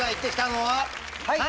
はい！